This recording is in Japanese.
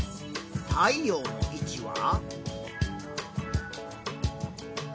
太陽の位置は？